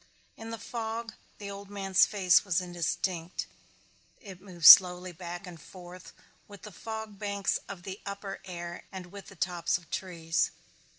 In the fog the old man's face was indistinct. It moved slowly back and forth with the fog banks of the upper air and with the tops of trees.